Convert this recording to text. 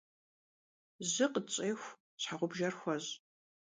Жьы къытщӏеху, щхьэгъубжэр хуэщӏ.